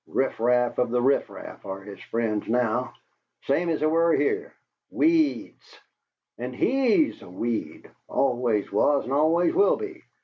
Riffraff of the riffraff are his friends now, same as they were here. Weeds! and HE'S a weed, always was and always will be!